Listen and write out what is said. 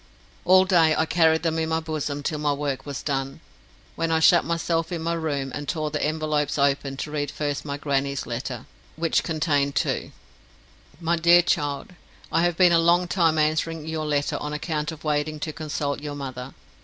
All day I carried them in my bosom till my work was done, when I shut myself in my room and tore the envelopes open to read first my grannie's letter, which contained two: MY DEAR CHILD, I have been a long time answering your letter on account of waiting to consult your mother.